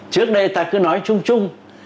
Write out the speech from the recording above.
trước đây ta cứ nói chung chung